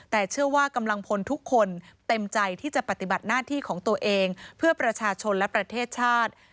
แต่เชื่อว่ากำลังพลทุกคนเต็มใจที่จะปฏิบัติหน้าที่ของตัวเองเพื่อประชาชนและประเทศชาติ